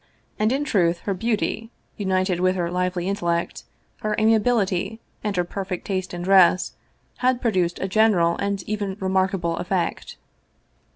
And in truth her beauty, united with her lively intellect, her amiability, and her perfect taste in dress, had produced a general and even remarkable effect.